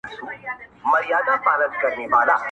نوم به دې ياد ساتم هرڅه به دي په يـاد کي ســاتــم~